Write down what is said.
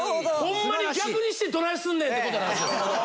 ホンマに逆にしてどないすんねんって事なんですよ。